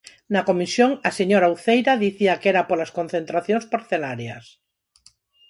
Na comisión, a señora Uceira dicía que era polas concentracións parcelarias.